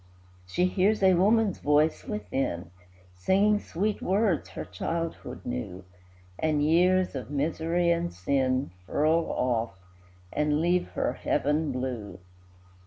She hears a woman's voice within, Singing sweet words her childhood knew, And years of misery and sin Furl off, and leave her heaven blue.